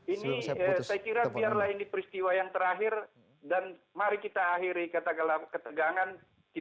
ini saya kira biarlah ini peristiwa yang terakhir dan mari kita akhiri kategorian ketegangan kita bangun perdamaian